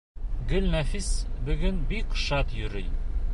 Гөлнәфис бөгөн бик шат йөрөй.